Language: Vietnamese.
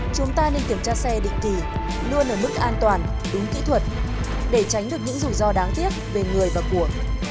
chúng ta nên kiểm tra xe định kỳ luôn ở mức an toàn đúng kỹ thuật để tránh được những rủi ro đáng tiếc về người và của